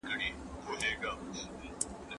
¬ د نغري غاړه له دښمنه ډکه ښه ده، نه له دوسته خالي.